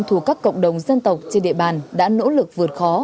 thuộc các cộng đồng dân tộc trên địa bàn đã nỗ lực vượt khó